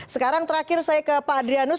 sekarang terakhir saya ke pak adrianus